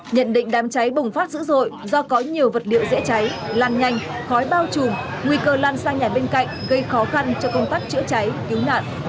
nhận định đám cháy bùng phát dữ dội do có nhiều vật liệu dễ cháy lan nhanh khói bao trùm nguy cơ lan sang nhà bên cạnh gây khó khăn cho công tác chữa cháy cứu nạn